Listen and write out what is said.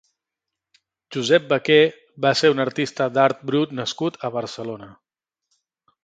Josep Baqué va ser un artista d'art brut nascut a Barcelona.